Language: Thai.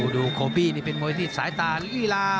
ดูโภบิให้เป็นมวยที่สายตาธ์ลิลา